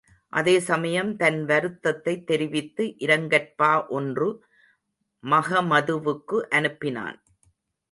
அதே சமயம் தன் வருத்தத்தைத் தெரிவித்து இரங்கற்பா ஒன்று மகமதுவுக்கு அனுப்பினான்.